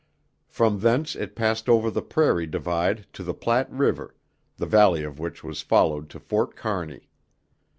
From thence it passed over the prairie divide to the Platte River, the valley of which was followed to Fort Kearney.